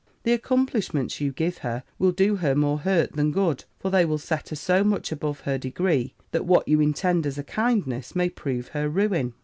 The accomplishments you give her will do her more hurt than good; for they will set her so much above her degree, that what you intend as a kindness, may prove her ruin.'